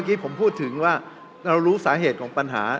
เรารู้สาเหตุของปัญหา